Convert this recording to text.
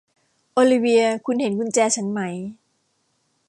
โอลิเวียคุณเห็นกุญแจฉันไหม